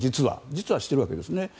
実はしているわけですね。